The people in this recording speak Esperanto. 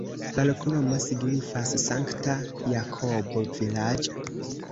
La loknomo signifas: Sankta-Jakobo-vilaĝ'.